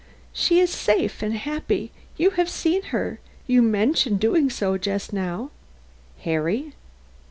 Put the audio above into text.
"She is safe and happy. You have seen her; you mentioned doing so just now." "Harry?"